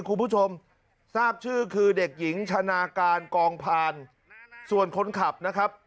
คุณผู้ชมทราบชื่อคือเด็กหญิงชนะการกองพานส่วนคนขับนะครับ